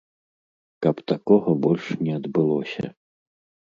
Каб такога больш не адбылося.